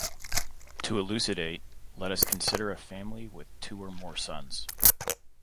To elucidate, let us consider a family with two or more sons.